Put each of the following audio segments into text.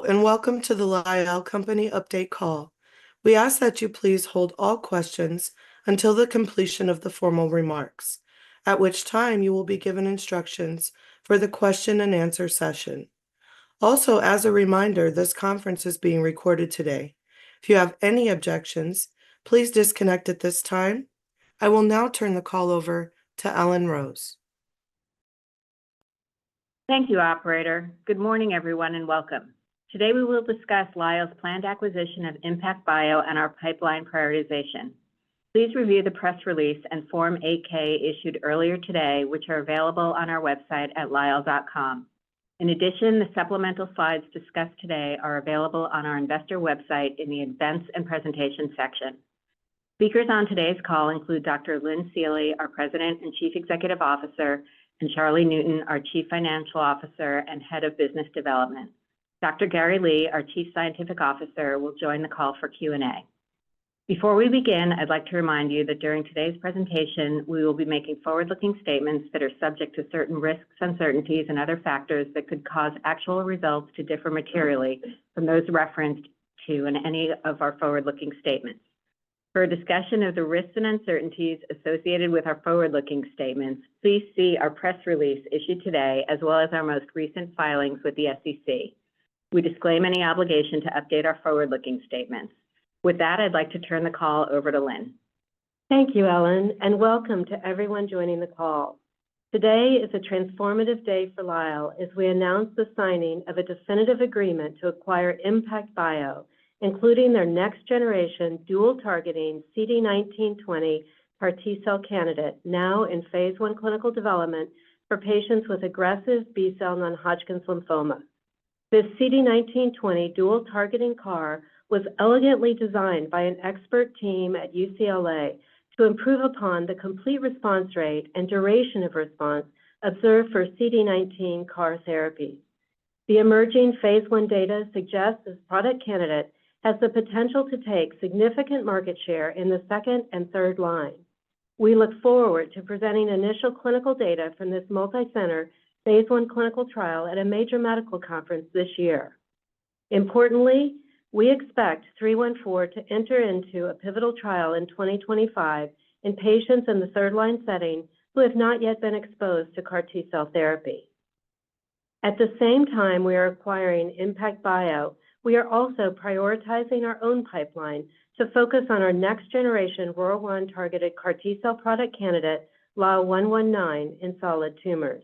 Hello, and welcome to the Lyell Company update call. We ask that you please hold all questions until the completion of the formal remarks, at which time you will be given instructions for the question and answer session. Also, as a reminder, this conference is being recorded today. If you have any objections, please disconnect at this time. I will now turn the call over to Ellen Rose. Thank you, operator. Good morning, everyone, and welcome. Today, we will discuss Lyell's planned acquisition of ImmPACT Bio and our pipeline prioritization. Please review the press release and Form 8-K issued earlier today, which are available on our website at lyell.com. In addition, the supplemental slides discussed today are available on our investor website in the Events and Presentation section. Speakers on today's call include Dr. Lynn Seely, our President and Chief Executive Officer, and Charlie Newton, our Chief Financial Officer and Head of Business Development. Dr. Gary Lee, our Chief Scientific Officer, will join the call for Q&A. Before we begin, I'd like to remind you that during today's presentation, we will be making forward-looking statements that are subject to certain risks, uncertainties, and other factors that could cause actual results to differ materially from those referenced to in any of our forward-looking statements. For a discussion of the risks and uncertainties associated with our forward-looking statements, please see our press release issued today, as well as our most recent filings with the SEC. We disclaim any obligation to update our forward-looking statements. With that, I'd like to turn the call over to Lynn. Thank you, Ellen, and welcome to everyone joining the call. Today is a transformative day for Lyell as we announce the signing of a definitive agreement to acquire ImmPACT Bio, including their next-generation dual targeting CD19/CD20 CAR T-cell candidate, now in phase 1 clinical development for patients with aggressive B-cell non-Hodgkin lymphoma. This CD19/CD20 dual targeting CAR was elegantly designed by an expert team at UCLA to improve upon the complete response rate and duration of response observed for CD19 CAR therapy. The emerging phase 1 data suggests this product candidate has the potential to take significant market share in the second- and third-line. We look forward to presenting initial clinical data from this multi-center phase 1 clinical trial at a major medical conference this year. Importantly, we expect IMPT-314 to enter into a pivotal trial in 2025 in patients in the third-line setting who have not yet been exposed to CAR T-cell therapy. At the same time we are acquiring ImmPACT Bio, we are also prioritizing our own pipeline to focus on our next-generation ROR1 targeted CAR T-cell product candidate, LYL119, in solid tumors.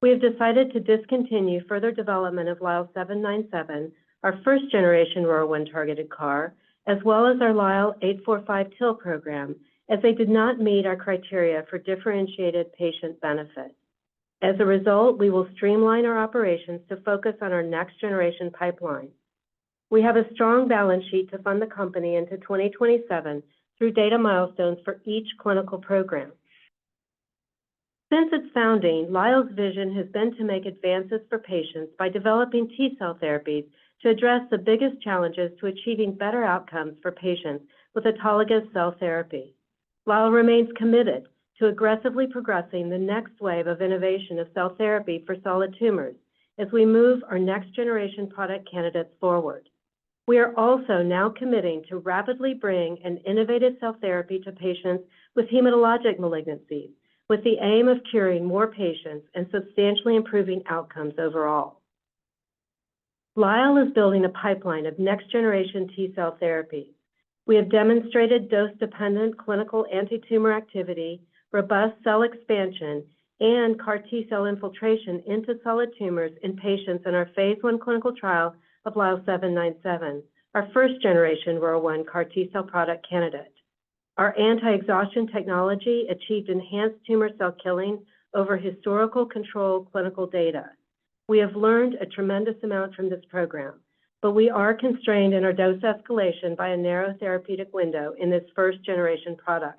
We have decided to discontinue further development of LYL797, our first-generation ROR1 targeted CAR, as well as our LYL845 TIL program, as they did not meet our criteria for differentiated patient benefit. As a result, we will streamline our operations to focus on our next-generation pipeline. We have a strong balance sheet to fund the company into 2027 through data milestones for each clinical program. Since its founding, Lyell's vision has been to make advances for patients by developing T-cell therapies to address the biggest challenges to achieving better outcomes for patients with autologous cell therapy. Lyell remains committed to aggressively progressing the next wave of innovation of cell therapy for solid tumors as we move our next-generation product candidates forward. We are also now committing to rapidly bring an innovative cell therapy to patients with hematologic malignancies, with the aim of curing more patients and substantially improving outcomes overall. Lyell is building a pipeline of next-generation T-cell therapy. We have demonstrated dose-dependent clinical antitumor activity, robust cell expansion, and CAR T-cell infiltration into solid tumors in patients in our phase 1 clinical trial of LYL797, our first-generation ROR1 CAR T-cell product candidate. Our anti-exhaustion technology achieved enhanced tumor cell killing over historical control clinical data. We have learned a tremendous amount from this program, but we are constrained in our dose escalation by a narrow therapeutic window in this first-generation product.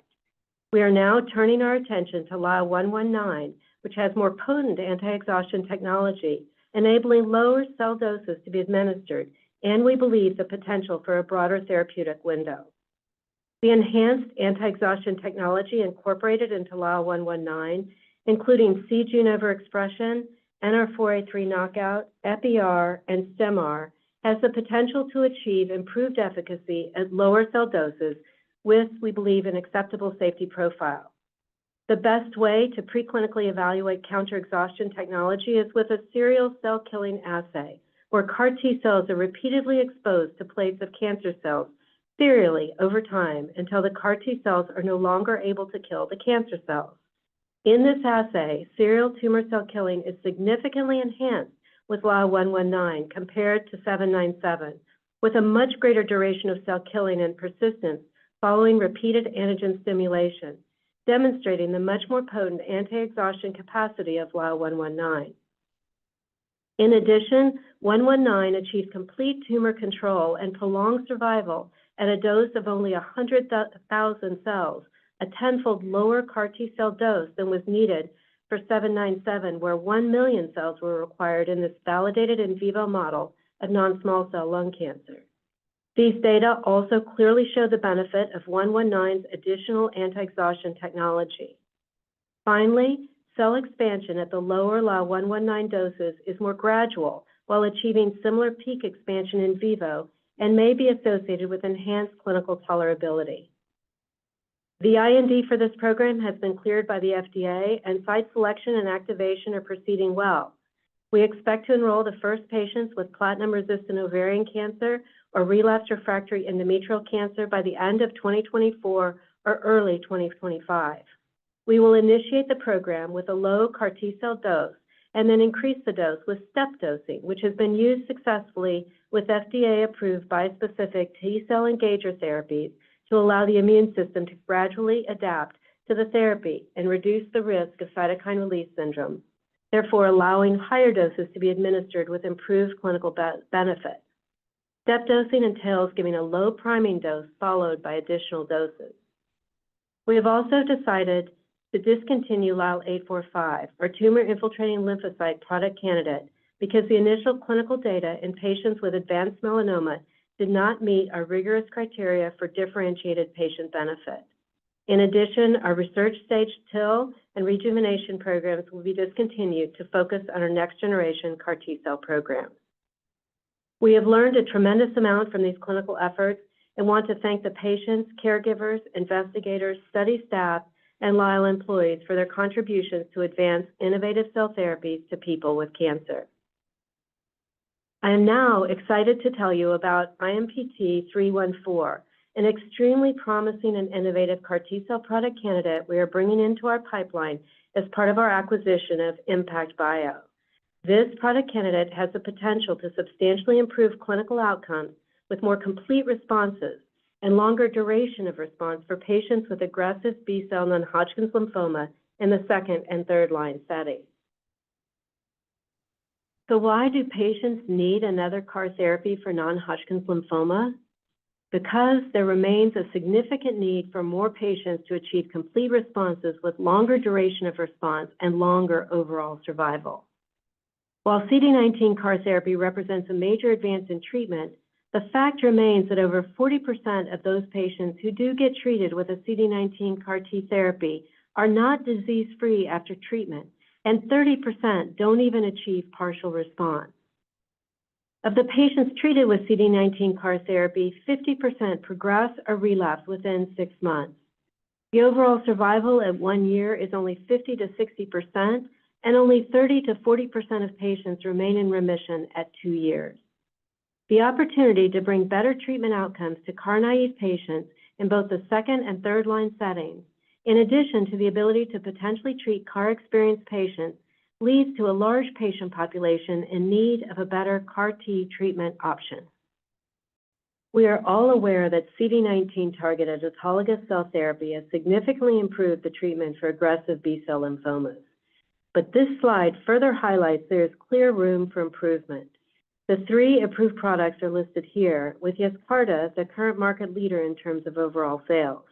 We are now turning our attention to LYL119, which has more potent anti-exhaustion technology, enabling lower cell doses to be administered, and we believe the potential for a broader therapeutic window. The enhanced anti-exhaustion technology incorporated into LYL119, including c-Jun overexpression, NR4A3 knockout, Epi-R, and Stim-R, has the potential to achieve improved efficacy at lower cell doses with, we believe, an acceptable safety profile. The best way to preclinically evaluate counter-exhaustion technology is with a serial cell killing assay, where CAR T-cells are repeatedly exposed to plates of cancer cells serially over time until the CAR T-cells are no longer able to kill the cancer cells. In this assay, serial tumor cell killing is significantly enhanced with LYL119 compared to LYL797, with a much greater duration of cell killing and persistence following repeated antigen stimulation, demonstrating the much more potent anti-exhaustion capacity of LYL119. In addition, LYL119 achieved complete tumor control and prolonged survival at a dose of only 100,000 cells, a tenfold lower CAR T-cell dose than was needed for LYL797, where 1 million cells were required in this validated in vivo model of non-small cell lung cancer. These data also clearly show the benefit of LYL119's additional anti-exhaustion technology. Finally, cell expansion at the lower LYL119 doses is more gradual while achieving similar peak expansion in vivo and may be associated with enhanced clinical tolerability. The IND for this program has been cleared by the FDA, and site selection and activation are proceeding well. We expect to enroll the first patients with platinum-resistant ovarian cancer or relapsed refractory endometrial cancer by the end of twenty twenty-four or early twenty twenty-five. We will initiate the program with a low CAR T cell dose and then increase the dose with step dosing, which has been used successfully with FDA-approved bispecific T cell engager therapies to allow the immune system to gradually adapt to the therapy and reduce the risk of cytokine release syndrome, therefore, allowing higher doses to be administered with improved clinical benefit. Step dosing entails giving a low priming dose followed by additional doses. We have also decided to discontinue LYL845, our tumor-infiltrating lymphocyte product candidate, because the initial clinical data in patients with advanced melanoma did not meet our rigorous criteria for differentiated patient benefit. In addition, our research-stage TIL and rejuvenation programs will be discontinued to focus on our next-generation CAR T cell program. We have learned a tremendous amount from these clinical efforts and want to thank the patients, caregivers, investigators, study staff, and Lyell employees for their contributions to advance innovative cell therapies to people with cancer. I am now excited to tell you about IMPT-314, an extremely promising and innovative CAR T cell product candidate we are bringing into our pipeline as part of our acquisition of ImmPACT Bio. This product candidate has the potential to substantially improve clinical outcomes with more complete responses and longer duration of response for patients with aggressive B-cell non-Hodgkin lymphoma in the second and third-line settings. So why do patients need another CAR therapy for non-Hodgkin lymphoma? Because there remains a significant need for more patients to achieve complete responses with longer duration of response and longer overall survival. While CD19 CAR therapy represents a major advance in treatment, the fact remains that over 40% of those patients who do get treated with a CD19 CAR T therapy are not disease-free after treatment, and 30% don't even achieve partial response. Of the patients treated with CD19 CAR therapy, 50% progress or relapse within six months. The overall survival at one year is only 50%-60%, and only 30%-40% of patients remain in remission at two years. The opportunity to bring better treatment outcomes to CAR-naive patients in both the second and third-line settings, in addition to the ability to potentially treat CAR-experienced patients, leads to a large patient population in need of a better CAR T treatment option. We are all aware that CD19-targeted autologous cell therapy has significantly improved the treatment for aggressive B-cell lymphomas, but this slide further highlights there is clear room for improvement. The three approved products are listed here, with Yescarta the current market leader in terms of overall sales.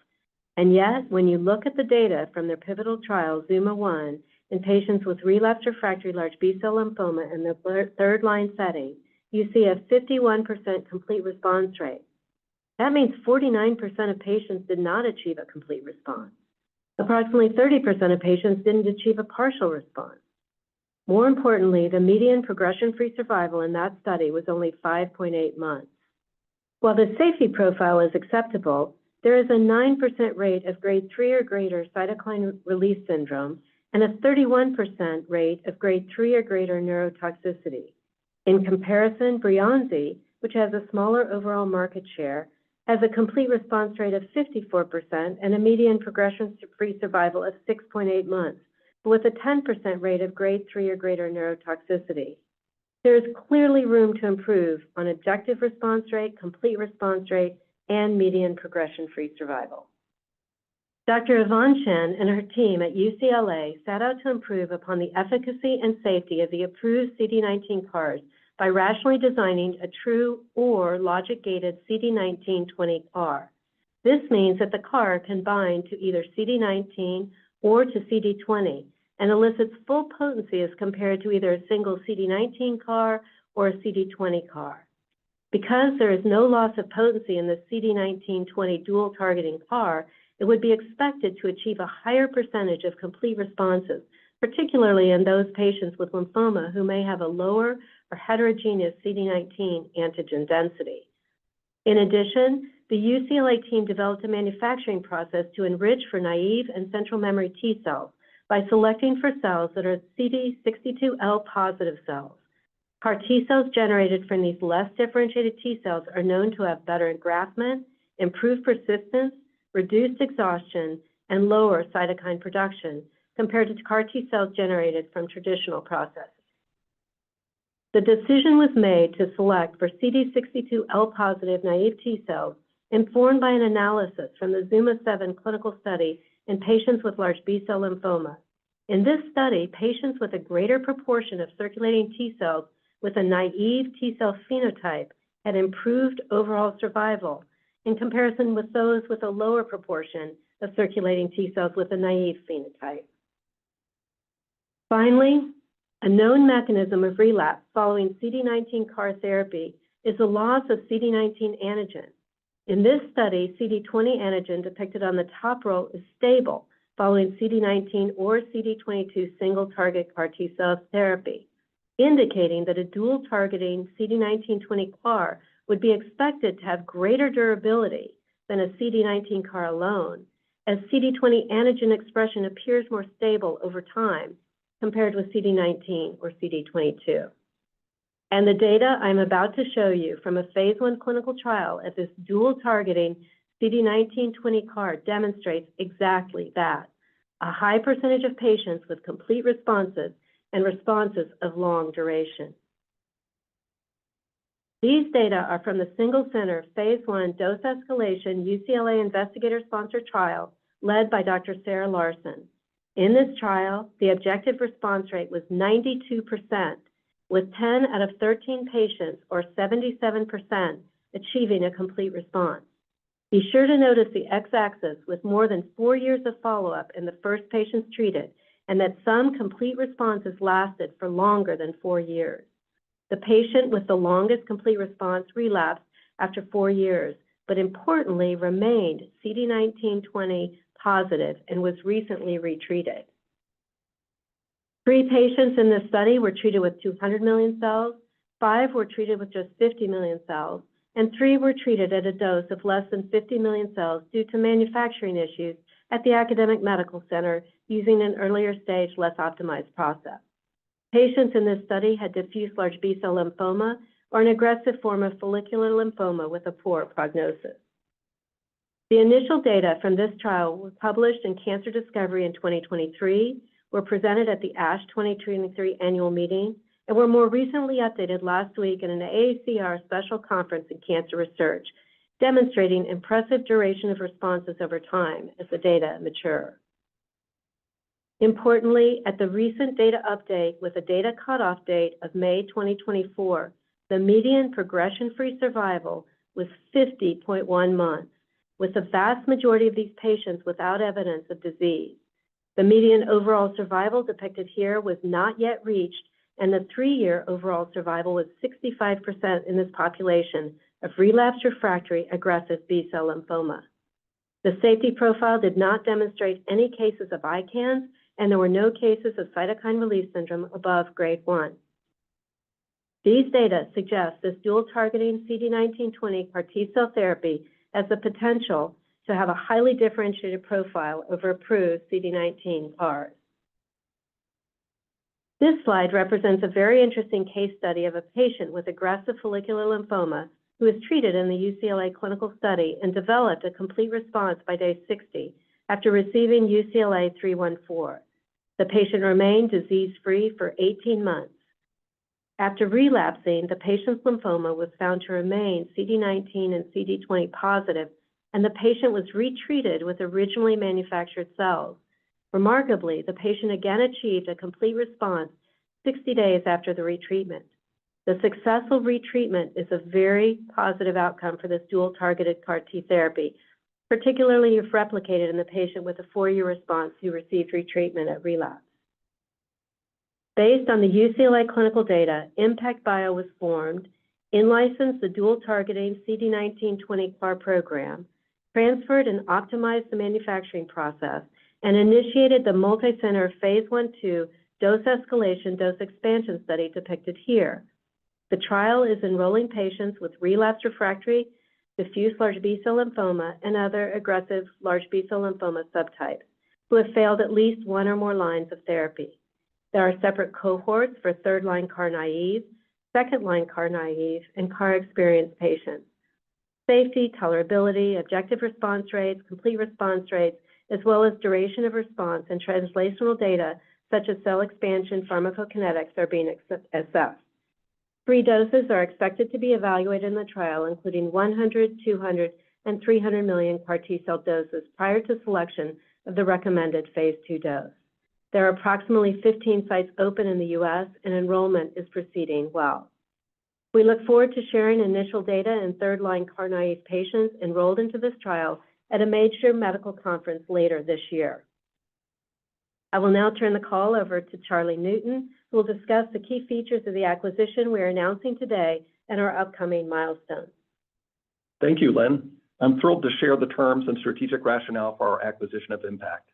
Yet, when you look at the data from their pivotal trial, ZUMA-1, in patients with relapsed refractory large B-cell lymphoma in the third-line setting, you see a 51% complete response rate. That means 49% of patients did not achieve a complete response. Approximately 30% of patients didn't achieve a partial response. More importantly, the median progression-free survival in that study was only 5.8 months. While the safety profile is acceptable, there is a 9% rate of grade three or greater cytokine release syndrome and a 31% rate of grade three or greater neurotoxicity. In comparison, Breyanzi, which has a smaller overall market share, has a complete response rate of 54% and a median progression-free survival of 6.8 months, but with a 10% rate of grade three or greater neurotoxicity. There is clearly room to improve on objective response rate, complete response rate, and median progression-free survival. Dr. Yvonne Chen and her team at UCLA set out to improve upon the efficacy and safety of the approved CD19 CARs by rationally designing a true OR logic-gated CD19/20 CAR. This means that the CAR can bind to either CD19 or to CD20 and elicits full potency as compared to either a single CD19 CAR or a CD20 CAR. Because there is no loss of potency in the CD19/20 dual targeting CAR, it would be expected to achieve a higher percentage of complete responses, particularly in those patients with lymphoma who may have a lower or heterogeneous CD19 antigen density. In addition, the UCLA team developed a manufacturing process to enrich for naive and central memory T cells by selecting for cells that are CD62L-positive cells. CAR T cells generated from these less differentiated T cells are known to have better engraftment, improved persistence, reduced exhaustion, and lower cytokine production compared to CAR T cells generated from traditional processes. The decision was made to select for CD62L positive naive T cells, informed by an analysis from the ZUMA-7 clinical study in patients with large B-cell lymphoma. In this study, patients with a greater proportion of circulating T cells with a naive T cell phenotype had improved overall survival in comparison with those with a lower proportion of circulating T cells with a naive phenotype. Finally, a known mechanism of relapse following CD19 CAR therapy is the loss of CD19 antigen. In this study, CD20 antigen depicted on the top row is stable following CD19 or CD22 single target CAR T cell therapy, indicating that a dual targeting CD19/20 CAR would be expected to have greater durability than a CD19 CAR alone, as CD20 antigen expression appears more stable over time compared with CD19 or CD22, and the data I'm about to show you from a phase I clinical trial at this dual targeting CD19/20 CAR demonstrates exactly that: a high percentage of patients with complete responses and responses of long duration. These data are from the single center, phase I dose escalation, UCLA investigator-sponsored trial led by Dr. Sarah Larson. In this trial, the objective response rate was 92%, with 10 out of 13 patients, or 77%, achieving a complete response. Be sure to notice the x-axis with more than four years of follow-up in the first patients treated, and that some complete responses lasted for longer than four years. The patient with the longest complete response relapsed after four years, but importantly, remained CD19/20 positive and was recently retreated. Three patients in this study were treated with 200 million cells, five were treated with just 50 million cells, and three were treated at a dose of less than 50 million cells due to manufacturing issues at the Academic Medical Center using an earlier stage, less optimized process. Patients in this study had diffuse large B-cell lymphoma or an aggressive form of follicular lymphoma with a poor prognosis. The initial data from this trial was published in Cancer Discovery in twenty twenty-three, were presented at the ASH twenty twenty-three annual meeting, and were more recently updated last week in an AACR special conference in cancer research, demonstrating impressive duration of responses over time as the data mature. Importantly, at the recent data update, with a data cutoff date of May twenty twenty-four, the median progression-free survival was 50.1 months, with the vast majority of these patients without evidence of disease. The median overall survival depicted here was not yet reached, and the three-year overall survival was 65% in this population of relapsed refractory aggressive B-cell lymphoma. The safety profile did not demonstrate any cases of ICANS, and there were no cases of cytokine release syndrome above grade one. These data suggest this dual targeting CD19/20 CAR T-cell therapy has the potential to have a highly differentiated profile over approved CD19 CARs. This slide represents a very interesting case study of a patient with aggressive follicular lymphoma who was treated in the UCLA clinical study and developed a complete response by day 60 after receiving IMPT-314. The patient remained disease-free for 18 months. After relapsing, the patient's lymphoma was found to remain CD19 and CD20 positive, and the patient was retreated with originally manufactured cells. Remarkably, the patient again achieved a complete response 60 days after the retreatment. The successful retreatment is a very positive outcome for this dual-targeted CAR T therapy, particularly if replicated in the patient with a four-year response who received retreatment at relapse. Based on the UCLA clinical data, ImmPACT Bio was formed, in-licensed the dual-targeting CD19/20 CAR program, transferred and optimized the manufacturing process, and initiated the multicenter phase 1/2 dose escalation, dose expansion study depicted here. The trial is enrolling patients with relapsed refractory, diffuse large B-cell lymphoma, and other aggressive large B-cell lymphoma subtypes, who have failed at least one or more lines of therapy. There are separate cohorts for third-line CAR naive, second-line CAR naive, and CAR-experienced patients. Safety, tolerability, objective response rates, complete response rates, as well as duration of response and translational data such as cell expansion pharmacokinetics are being assessed. Three doses are expected to be evaluated in the trial, including one hundred, two hundred, and three hundred million CAR T-cell doses prior to selection of the recommended phase 2 dose. There are approximately 15 sites open in the U.S., and enrollment is proceeding well. We look forward to sharing initial data in third-line CAR naive patients enrolled into this trial at a major medical conference later this year. I will now turn the call over to Charlie Newton, who will discuss the key features of the acquisition we are announcing today and our upcoming milestones. Thank you, Lynn. I'm thrilled to share the terms and strategic rationale for our acquisition of ImmPACT.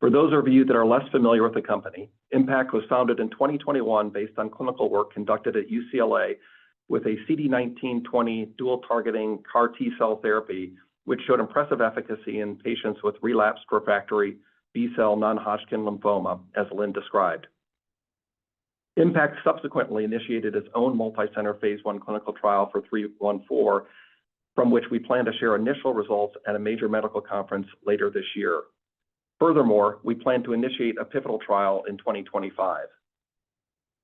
For those of you that are less familiar with the company, ImmPACT was founded in twenty twenty-one based on clinical work conducted at UCLA with a CD19/CD20 dual targeting CAR T-cell therapy, which showed impressive efficacy in patients with relapsed refractory B-cell non-Hodgkin lymphoma, as Lynn described. ImmPACT subsequently initiated its own multicenter phase I clinical trial for IMPT-314, from which we plan to share initial results at a major medical conference later this year. Furthermore, we plan to initiate a pivotal trial in twenty twenty-five.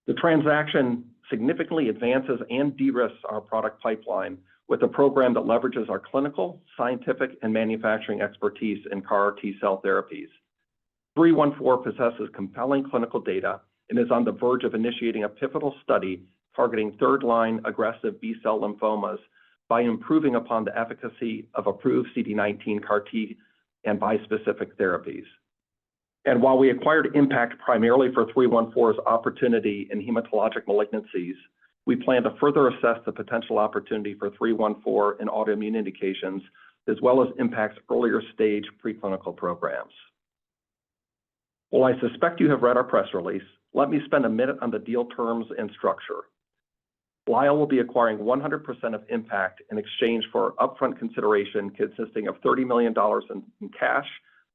The transaction significantly advances and de-risks our product pipeline with a program that leverages our clinical, scientific, and manufacturing expertise in CAR T-cell therapies. 314 possesses compelling clinical data and is on the verge of initiating a pivotal study targeting third-line aggressive B-cell lymphomas by improving upon the efficacy of approved CD19 CAR T and bispecific therapies. While we acquired ImmPACT primarily for 314's opportunity in hematologic malignancies, we plan to further assess the potential opportunity for 314 in autoimmune indications, as well as ImmPACT's earlier stage preclinical programs. While I suspect you have read our press release, let me spend a minute on the deal terms and structure. Lyell will be acquiring 100% of ImmPACT in exchange for upfront consideration, consisting of $30 million in cash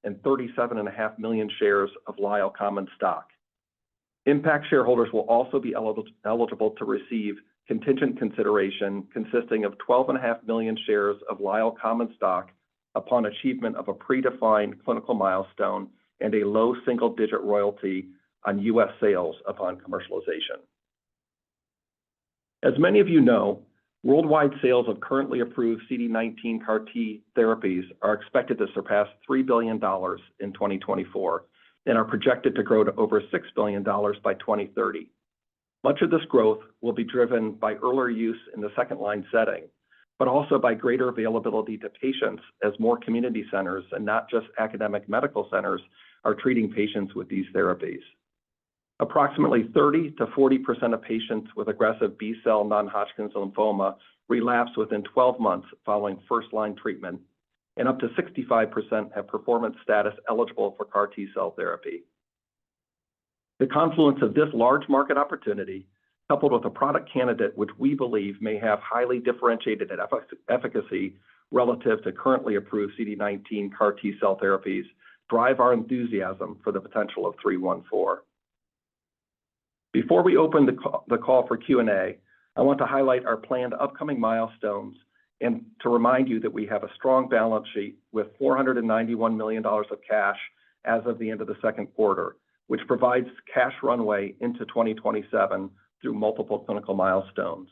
and 37.5 million shares of Lyell common stock. ImmPACT shareholders will also be eligible to receive contingent consideration, consisting of 12.5 million shares of Lyell common stock, upon achievement of a predefined clinical milestone and a low single-digit royalty on U.S. sales upon commercialization. As many of you know, worldwide sales of currently approved CD19 CAR T therapies are expected to surpass $3 billion in 2024, and are projected to grow to over $6 billion by 2030. Much of this growth will be driven by earlier use in the second-line setting, but also by greater availability to patients as more community centers, and not just academic medical centers, are treating patients with these therapies. Approximately 30% to 40% of patients with aggressive B-cell non-Hodgkin lymphoma relapse within twelve months following first-line treatment, and up to 65% have performance status eligible for CAR T-cell therapy. The confluence of this large market opportunity, coupled with a product candidate, which we believe may have highly differentiated efficacy relative to currently approved CD19 CAR T-cell therapies, drive our enthusiasm for the potential of 314. Before we open the call for Q&A, I want to highlight our planned upcoming milestones, and to remind you that we have a strong balance sheet with $491 million of cash as of the end of the second quarter, which provides cash runway into 2027 through multiple clinical milestones.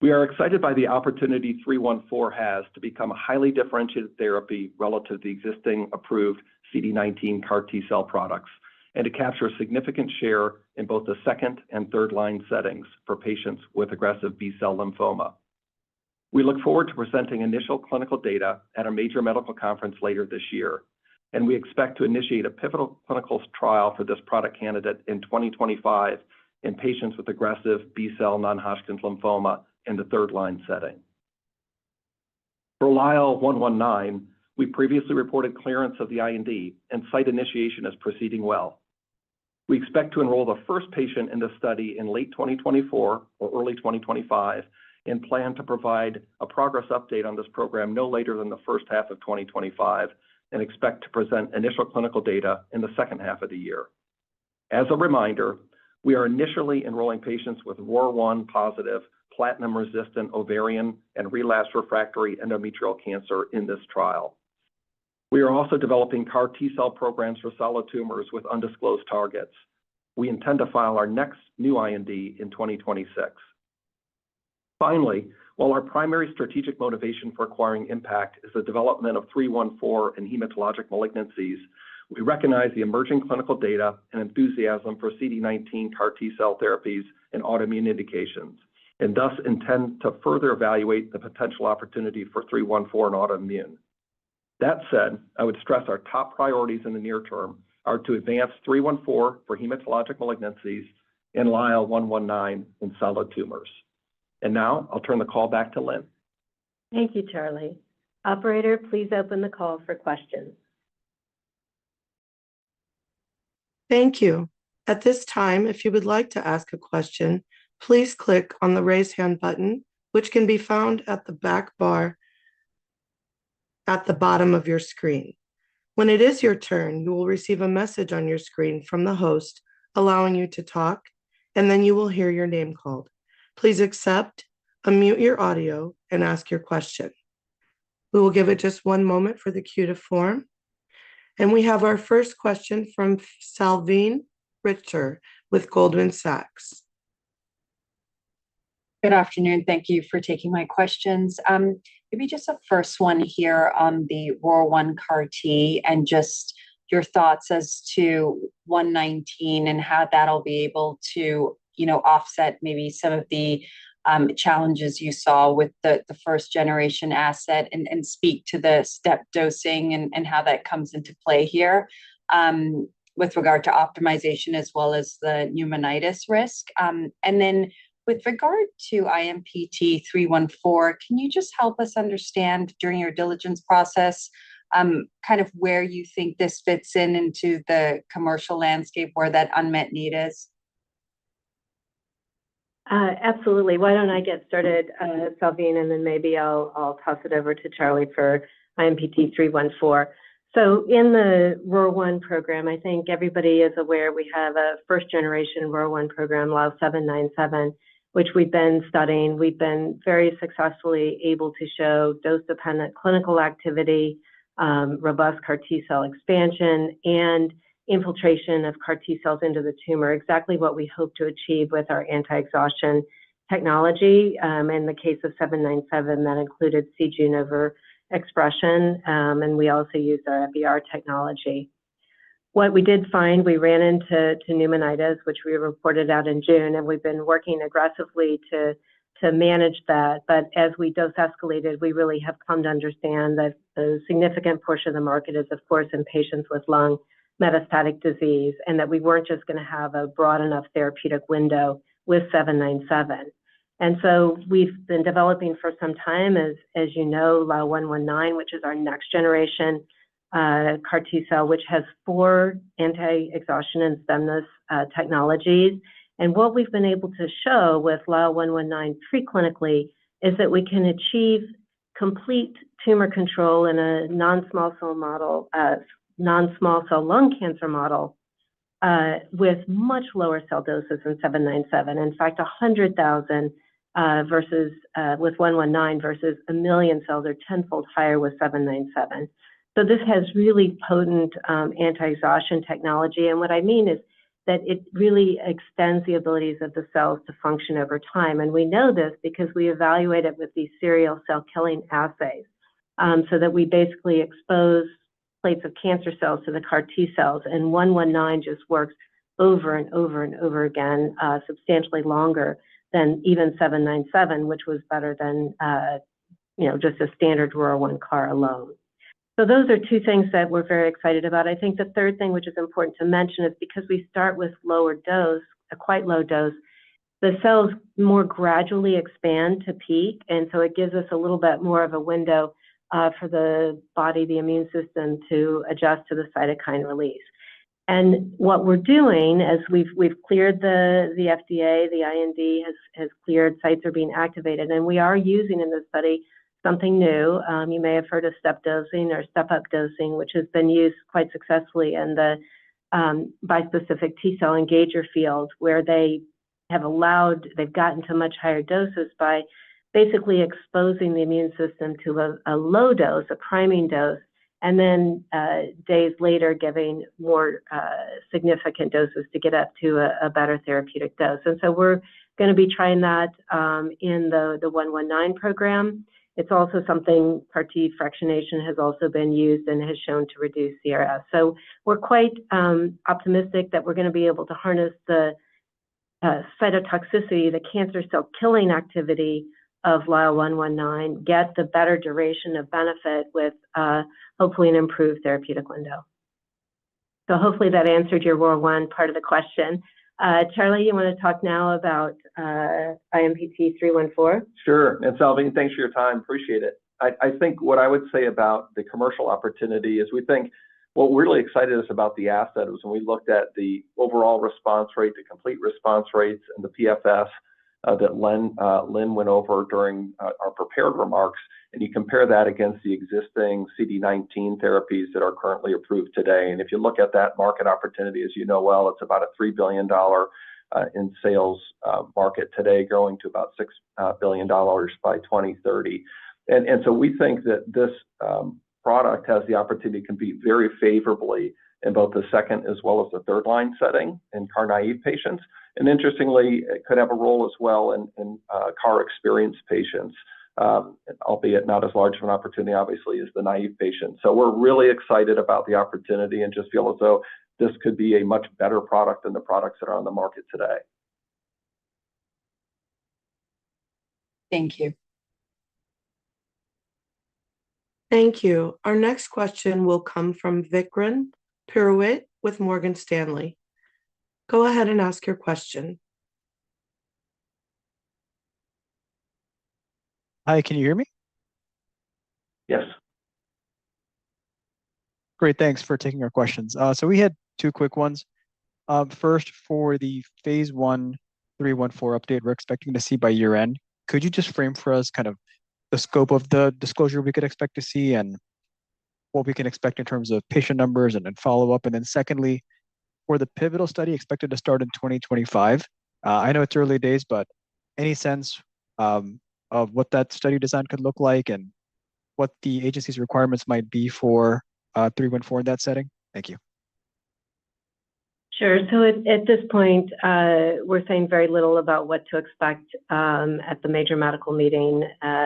We are excited by the opportunity 314 has to become a highly differentiated therapy relative to the existing approved CD19 CAR T-cell products, and to capture a significant share in both the second and third-line settings for patients with aggressive B-cell lymphoma. We look forward to presenting initial clinical data at a major medical conference later this year, and we expect to initiate a pivotal clinical trial for this product candidate in twenty twenty-five in patients with aggressive B-cell non-Hodgkin lymphoma in the third-line setting. For LYL119, we previously reported clearance of the IND, and site initiation is proceeding well. We expect to enroll the first patient in this study in late twenty twenty-four or early twenty twenty-five, and plan to provide a progress update on this program no later than the first half of twenty twenty-five, and expect to present initial clinical data in the second half of the year. As a reminder, we are initially enrolling patients with ROR1 positive, platinum-resistant ovarian and relapsed refractory endometrial cancer in this trial. We are also developing CAR T-cell programs for solid tumors with undisclosed targets. We intend to file our next new IND in 2026. Finally, while our primary strategic motivation for acquiring ImmPACT is the development of IMPT-314 in hematologic malignancies, we recognize the emerging clinical data and enthusiasm for CD19 CAR T-cell therapies in autoimmune indications, and thus intend to further evaluate the potential opportunity for IMPT-314 in autoimmune. That said, I would stress our top priorities in the near term are to advance IMPT-314 for hematologic malignancies and LYL119 in solid tumors. And now I'll turn the call back to Lynn. Thank you, Charlie. Operator, please open the call for questions. Thank you. At this time, if you would like to ask a question, please click on the Raise Hand button, which can be found at the back bar at the bottom of your screen. When it is your turn, you will receive a message on your screen from the host, allowing you to talk, and then you will hear your name called. Please accept, unmute your audio, and ask your question. We will give it just one moment for the queue to form, and we have our first question from Salveen Richter with Goldman Sachs. Good afternoon. Thank you for taking my questions. Maybe just a first one here on the ROR1 CAR T, and just your thoughts as to LYL119 and how that'll be able to, you know, offset maybe some of the challenges you saw with the first-generation asset, and speak to the step dosing and how that comes into play here, with regard to optimization as well as the pneumonitis risk? And then with regard to IMPT-314, can you just help us understand, during your diligence process, kind of where you think this fits into the commercial landscape, where that unmet need is? Absolutely. Why don't I get started, Salveen, and then maybe I'll toss it over to Charlie for IMPT-314. So in the ROR1 program, I think everybody is aware we have a first-generation ROR1 program, LYL797, which we've been studying. We've been very successfully able to show dose-dependent clinical activity, robust CAR T-cell expansion, and infiltration of CAR T-cells into the tumor, exactly what we hope to achieve with our anti-exhaustion technology. In the case of 797, that included c-Jun overexpression, and we also use our Epi-R technology. What we did find, we ran into pneumonitis, which we reported out in June, and we've been working aggressively to manage that. But as we dose escalated, we really have come to understand that a significant portion of the market is, of course, in patients with lung metastatic disease, and that we weren't just going to have a broad enough therapeutic window with LYL797. And so we've been developing for some time, as you know, LYL119, which is our next generation CAR T-cell, which has four anti-exhaustion and Stim-R technologies. And what we've been able to show with LYL119 preclinically is that we can achieve complete tumor control in a non-small cell model, non-small cell lung cancer model, with much lower cell doses than LYL797. In fact, 100,000 versus with LYL119 versus 1 million cells or tenfold higher with LYL797. So this has really potent anti-exhaustion technology, and what I mean is that it really extends the abilities of the cells to function over time. And we know this because we evaluate it with these serial cell killing assays, so that we basically expose plates of cancer cells to the CAR T cells, and LYL119 just works over and over and over again, substantially longer than even LYL797, which was better than, you know, just a standard ROR1 CAR alone. So those are two things that we're very excited about. I think the third thing, which is important to mention, is because we start with lower dose, a quite low dose, the cells more gradually expand to peak, and so it gives us a little bit more of a window for the body, the immune system, to adjust to the cytokine release. And what we're doing, as we've cleared the FDA, the IND has cleared, sites are being activated, and we are using in this study something new. You may have heard of step dosing or step-up dosing, which has been used quite successfully in the bispecific T-cell engager field, where they've gotten to much higher doses by basically exposing the immune system to a low dose, a priming dose, and then days later, giving more significant doses to get up to a better therapeutic dose. And so we're going to be trying that in the LYL119 program. It's also something CAR T fractionation has also been used and has shown to reduce CRS. So we're quite optimistic that we're going to be able to harness the cytotoxicity, the cancer cell killing activity of LYL119, get the better duration of benefit with hopefully an improved therapeutic window. So hopefully that answered your ROR1 part of the question. Charlie, you want to talk now about IMPT-314? Sure. And Salveen, thanks for your time. Appreciate it. I think what I would say about the commercial opportunity is we think what really excited us about the asset was when we looked at the overall response rate, the complete response rates, and the PFS that Lynn went over during our prepared remarks, and you compare that against the existing CD19 therapies that are currently approved today. And if you look at that market opportunity, as you know well, it's about a $3 billion in sales market today, growing to about $6 billion by 2030. And so we think that this product has the opportunity to compete very favorably in both the second as well as the third line setting in CAR-naive patients. Interestingly, it could have a role as well in CAR experienced patients, albeit not as large of an opportunity, obviously, as the naive patient. We're really excited about the opportunity and just feel as though this could be a much better product than the products that are on the market today. Thank you. Thank you. Our next question will come from Vikram Purohit with Morgan Stanley. Go ahead and ask your question. Hi, can you hear me? Yes. Great, thanks for taking our questions. So we had two quick ones. First, for the phase 1, 314 update we're expecting to see by year-end, could you just frame for us the scope of the disclosure we could expect to see and what we can expect in terms of patient numbers and then follow-up? And then secondly, for the pivotal study expected to start in 2025, I know it's early days, but any sense of what that study design could look like and what the agency's requirements might be for 314 in that setting? Thank you. Sure. So at this point, we're saying very little about what to expect at the major medical meeting,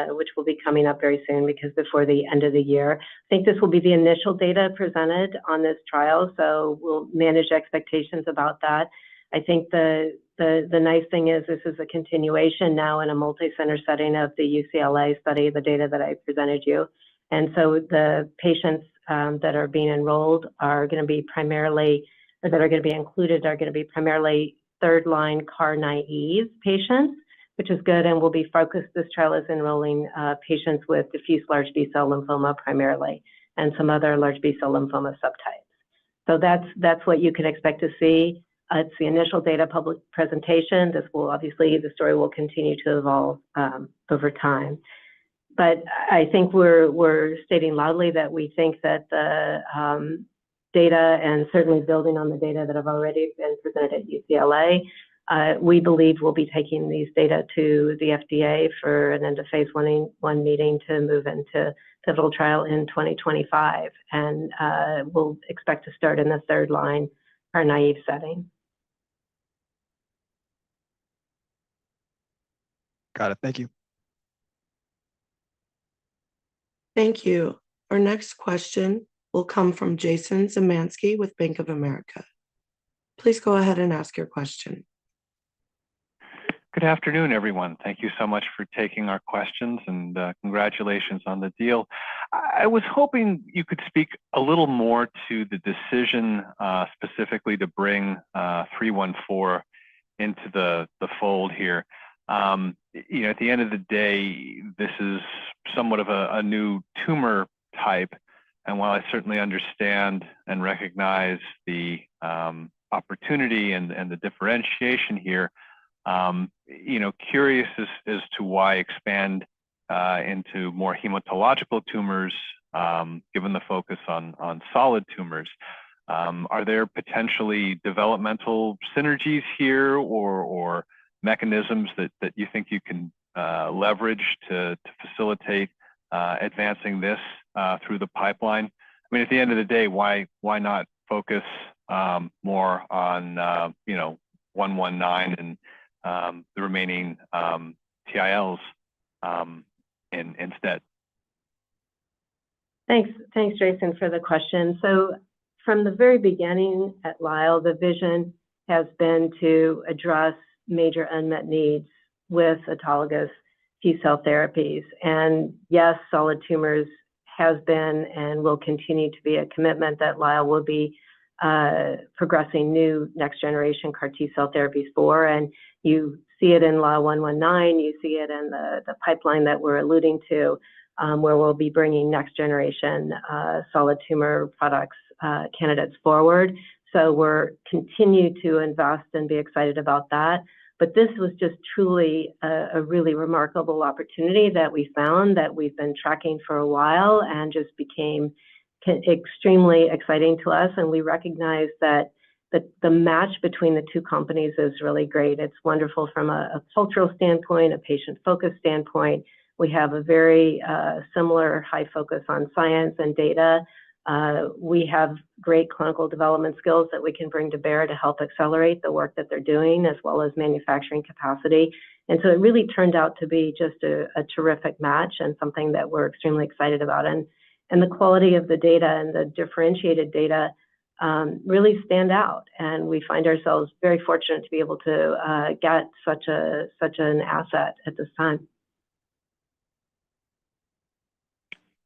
which will be coming up very soon, because before the end of the year. I think this will be the initial data presented on this trial, so we'll manage expectations about that. I think the nice thing is this is a continuation now in a multi-center setting of the UCLA study, the data that I presented you. And so the patients that are being enrolled are going to be primarily, or that are going to be included, are going to be primarily third line CAR naive patients, which is good and will be focused. This trial is enrolling patients with diffuse large B-cell lymphoma, primarily, and some other large B-cell lymphoma subtypes. So that's what you could expect to see at the initial data public presentation. This will obviously, the story will continue to evolve over time. But I think we're stating loudly that we think that the data and certainly building on the data that have already been presented at UCLA, we believe we'll be taking these data to the FDA for an end of phase 1 meeting to move into pivotal trial in 2025, and we'll expect to start in the third-line or naive setting.... Got it. Thank you. Thank you. Our next question will come from Jason Zemansky with Bank of America. Please go ahead and ask your question. Good afternoon, everyone. Thank you so much for taking our questions, and, congratulations on the deal. I was hoping you could speak a little more to the decision, specifically to bring 314 into the fold here. You know, at the end of the day, this is somewhat of a new tumor type, and while I certainly understand and recognize the opportunity and the differentiation here, you know, curious as to why expand into more hematological tumors, given the focus on solid tumors. Are there potentially developmental synergies here or mechanisms that you think you can leverage to facilitate advancing this through the pipeline? I mean, at the end of the day, why not focus more on, you know, one one nine and the remaining TILs instead? Thanks. Thanks, Jason, for the question. So from the very beginning at Lyell, the vision has been to address major unmet needs with autologous T-cell therapies. And yes, solid tumors has been and will continue to be a commitment that Lyell will be progressing new next generation CAR T-cell therapies for. And you see it in LYL119, you see it in the, the pipeline that we're alluding to, where we'll be bringing next generation solid tumor products candidates forward. So we're continued to invest and be excited about that. But this was just truly a really remarkable opportunity that we found, that we've been tracking for a while, and just became extremely exciting to us. And we recognize that the, the match between the two companies is really great. It's wonderful from a cultural standpoint, a patient focus standpoint. We have a very similar high focus on science and data. We have great clinical development skills that we can bring to bear to help accelerate the work that they're doing, as well as manufacturing capacity. And so it really turned out to be just a terrific match and something that we're extremely excited about. And the quality of the data and the differentiated data really stand out, and we find ourselves very fortunate to be able to get such an asset at this time.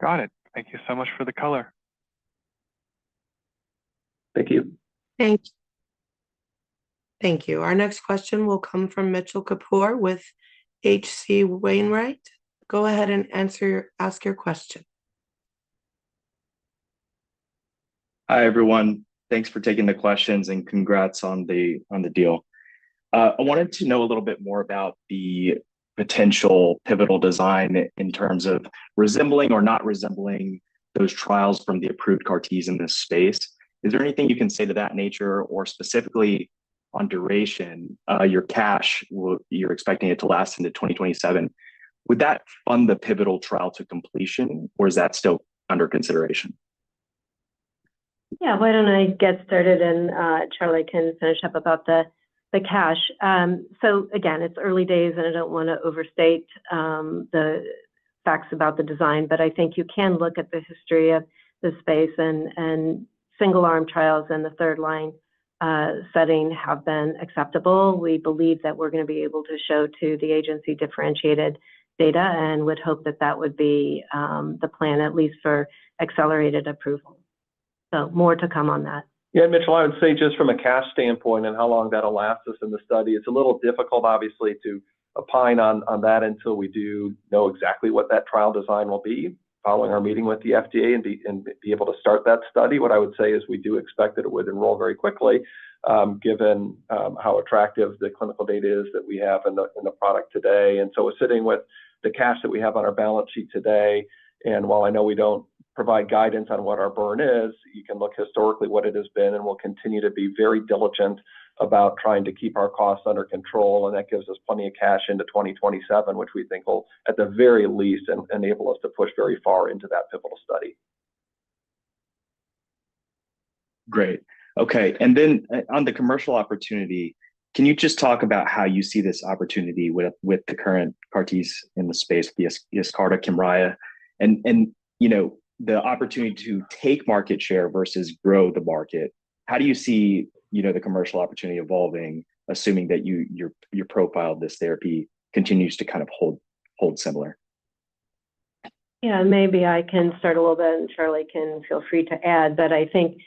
Got it. Thank you so much for the color. Thank you. Thank- Thank you. Our next question will come from Mitchell Kapoor with H.C. Wainwright. Go ahead and ask your question. Hi, everyone. Thanks for taking the questions, and congrats on the deal. I wanted to know a little bit more about the potential pivotal design in terms of resembling or not resembling those trials from the approved CAR Ts in this space. Is there anything you can say to that nature, or specifically on duration, your cash you're expecting it to last into twenty twenty-seven. Would that fund the pivotal trial to completion, or is that still under consideration? Yeah, why don't I get started and Charlie can finish up about the cash? So again, it's early days, and I don't want to overstate the facts about the design, but I think you can look at the history of the space and single arm trials in the third line setting have been acceptable. We believe that we're gonna be able to show to the agency differentiated data, and would hope that that would be the plan, at least for accelerated approval. So more to come on that. Yeah, Mitchell, I would say just from a cash standpoint and how long that allows us in the study, it's a little difficult, obviously, to opine on that until we do know exactly what that trial design will be following our meeting with the FDA and be able to start that study. What I would say is we do expect that it would enroll very quickly, given how attractive the clinical data is that we have in the product today. And so we're sitting with the cash that we have on our balance sheet today, and while I know we don't provide guidance on what our burn is, you can look historically what it has been, and we'll continue to be very diligent about trying to keep our costs under control, and that gives us plenty of cash into 2027, which we think will, at the very least, enable us to push very far into that pivotal study. Great. Okay, and then on the commercial opportunity, can you just talk about how you see this opportunity with the current parties in the space, the Yescarta, Kymriah, and, you know, the opportunity to take market share versus grow the market? How do you see, you know, the commercial opportunity evolving, assuming that your profiled this therapy continues to kind of hold similar? Yeah, maybe I can start a little bit, and Charlie can feel free to add. But I think,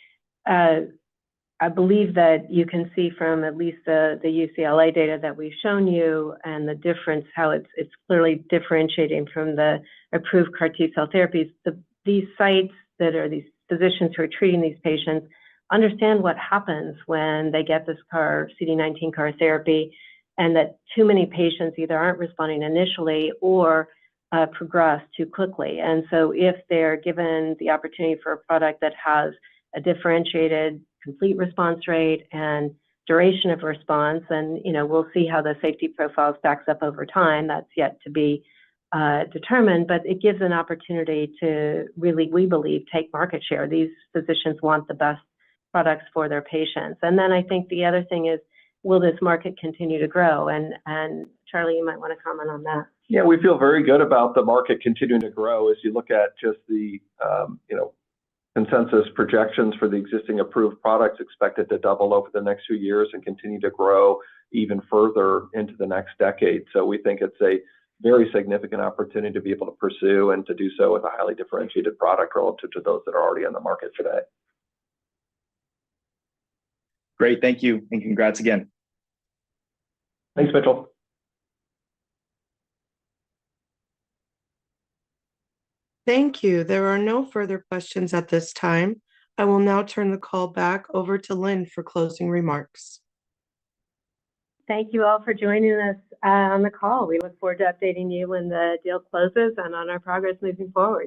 I believe that you can see from at least the UCLA data that we've shown you and the difference, how it's clearly differentiating from the approved CAR T-cell therapies. These sites, these physicians who are treating these patients understand what happens when they get this CAR, CD19 CAR therapy, and that too many patients either aren't responding initially or progress too quickly. And so if they're given the opportunity for a product that has a differentiated complete response rate and duration of response, and, you know, we'll see how the safety profile stacks up over time, that's yet to be determined, but it gives an opportunity to really, we believe, take market share. These physicians want the best products for their patients. And then I think the other thing is, will this market continue to grow? And, Charlie, you might want to comment on that. Yeah, we feel very good about the market continuing to grow as you look at just the, you know, consensus projections for the existing approved products expected to double over the next few years and continue to grow even further into the next decade. So we think it's a very significant opportunity to be able to pursue, and to do so with a highly differentiated product relative to those that are already in the market today. Great. Thank you, and congrats again. Thanks, Mitchell. Thank you. There are no further questions at this time. I will now turn the call back over to Lynn for closing remarks. Thank you all for joining us on the call. We look forward to updating you when the deal closes and on our progress moving forward.